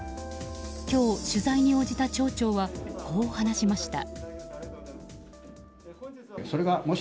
今日、取材に応じた町長はこう話しました。